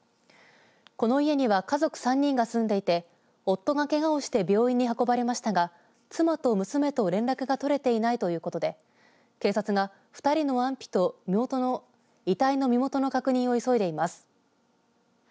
この家には家族３人が住んでいて夫がけがをして病院に運ばれましたが妻と娘と連絡が取れていないということで警察が、２人の安否と遺体の身元の確認を急いでいます。